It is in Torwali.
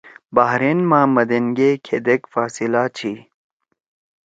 بحرین ما مدین گے کھیدیک فاصلہ چھی؟